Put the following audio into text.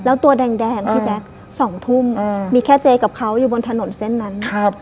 แล้วตัวแดงแดงพี่แจ๊คสองทุ่มมีแค่เจ๊กับเขาอยู่บนถนนเส้นนั้นครับ